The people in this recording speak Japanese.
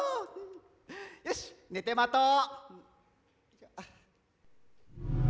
よし寝て待とう。